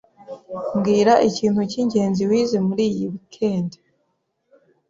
Mbwira ikintu cyingenzi wize muri iyi weekend.